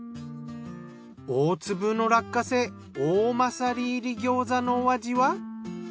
大粒の落花生おおまさり入りギョーザのお味は？